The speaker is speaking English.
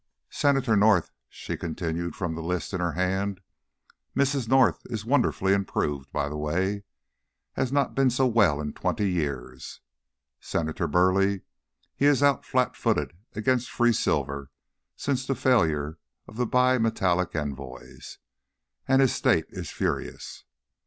Senator North," she continued from the list in her hand: "Mrs. North is wonderfully improved, by the way; has not been so well in twenty years. Senator Burleigh: he is out flat footed against free silver since the failure of the bi metallic envoys, and his State is furious.